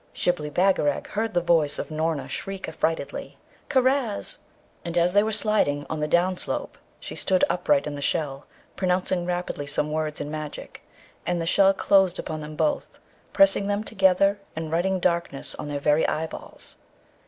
Shibli Bagarag heard the voice of Noorna shriek affrightedly, 'Karaz!' and as they were sliding on the down slope, she stood upright in the shell, pronouncing rapidly some words in magic; and the shell closed upon them both, pressing them together, and writing darkness on their very eyeballs.